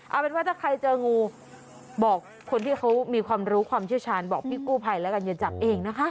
เอาเป็นว่าถ้าใครเจองูบอกคนที่เขามีความรู้ความเชี่ยวชาญบอกพี่กู้ภัยแล้วกันอย่าจับเองนะคะ